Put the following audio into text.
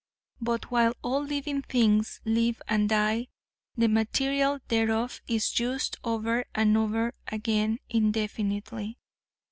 But while all living things live and die, the material thereof is used over and over again indefinitely.